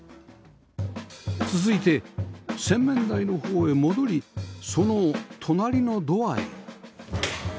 続いて洗面台の方へ戻りその隣のドアへ